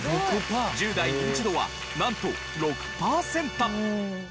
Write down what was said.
１０代ニンチドはなんと６パーセント。